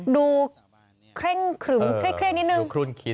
เคร่งครึมเคร่งนิดนึง